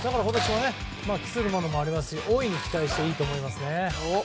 今年は期するものもありますし大いに期待していいと思います。